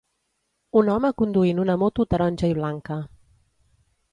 Un home conduint una moto taronja i blanca.